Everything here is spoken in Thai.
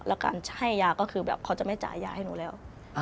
แล้วการให้ยาก็คือแบบเขาจะไม่จ่ายยาให้หนูแล้ว